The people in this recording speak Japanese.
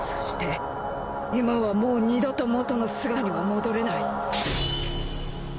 そして今はもう二度ともとの姿には戻れない。